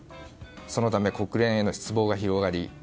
そのため、国連への失望が広がり